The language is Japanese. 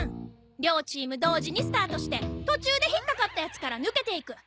両チーム同時にスタートして途中で引っかかった奴から抜けていく。